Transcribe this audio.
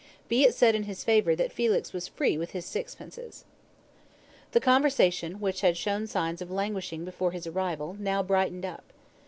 '" Be it said in his favour that Felix was free with his sixpences. The conversation, which had shown signs of languishing before his arrival, now brightened up.